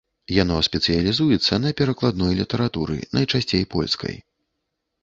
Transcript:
Яно спецыялізуецца на перакладной літаратуры, найчасцей польскай.